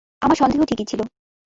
আমার সন্দেহ ঠিকই ছিল।